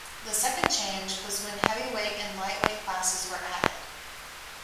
The second change was when heavyweight and lightweight classes where added.